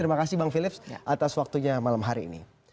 terima kasih bang philips atas waktunya malam hari ini